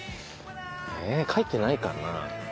え書いてないかな。